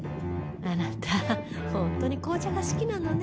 あなた本当に紅茶が好きなのね。